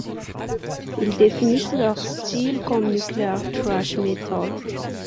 Il définissent leur style comme nuclear thrash metal.